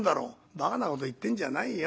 「ばかなこと言ってんじゃないよ。